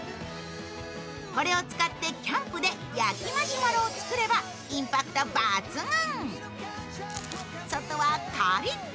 これを使ってキャンプで焼きマシュマロを作ればインパクト抜群。